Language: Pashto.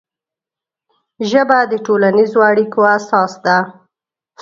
ژبه د ټولنیزو اړیکو اساس ده